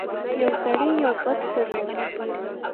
یو سړي یو بت درلود.